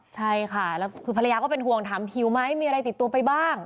ใช่ค่ะแล้วคือภรรยาก็เป็นห่วงถามหิวไหมมีอะไรติดตัวไปบ้าง